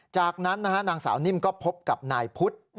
จากนั้นนะครับนางสาวนิ่มก็คบกับนายภุต